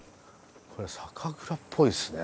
これ酒蔵っぽいですね。